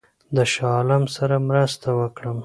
د شاه عالم سره مرسته وکړم.